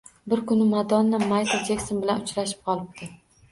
Bir kuni Madonna Maykl Jekson bilan uchrashib qolibdi